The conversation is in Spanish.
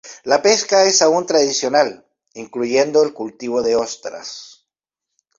La pesca es aún tradicional, incluyendo el cultivo de ostras.